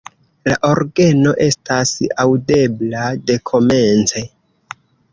La orgeno estas aŭdebla dekomence.